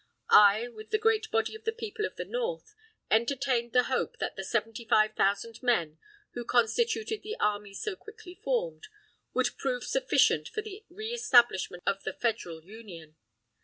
I, with the great body of the people of the North, entertained the hope that the seventy five thousand men, who constituted the army so quickly formed, would prove sufficient for the reëstablisment of the Federal Union.